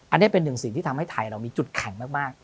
อันนี้เป็นหนึ่งสิ่งที่ทำให้ไทยเรามีจุดแข็งมาก